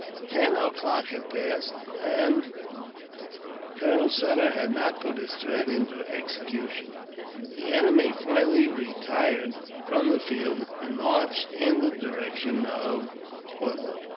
Ten o'clock had passed, and Colonel Sutter had not put his threat into execution. The enemy finally retired from the field, and marched in the direction of Pueblo.